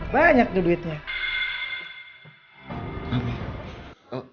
banyak tuh duitnya